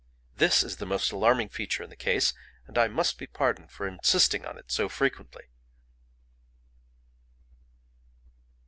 This is the most alarming feature in the case, and I must be pardoned for insisting on it so frequently."